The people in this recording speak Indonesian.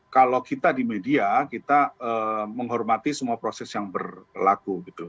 kalau kita di media kita menghormati semua proses yang berlaku gitu